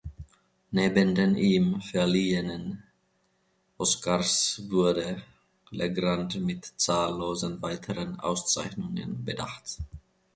Neben den ihm verliehenen Oscars wurde Legrand mit zahllosen weiteren Auszeichnungen bedacht.